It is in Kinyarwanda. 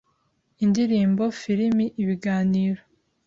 indirimbo, Filimi, ibiganiro,